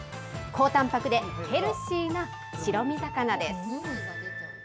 高たんぱくでヘルシーな白身魚です。